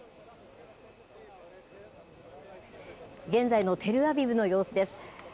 現在のテルアビブの様子です。